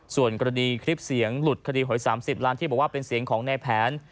ส่วนกรณีคลิปเสียงหลุดคดีหวย๓๐ล้านที่บอกว่าเป็นเสียงของในแผน